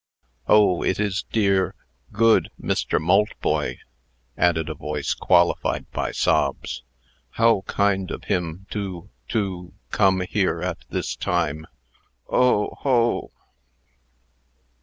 "Oh! it is dear good Mr. Maltboy!" added a voice, qualified by sobs. "How kind of him to to come here at this time! Oh ho!"